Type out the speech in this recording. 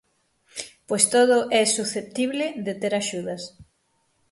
Pois todo é susceptible de ter axudas.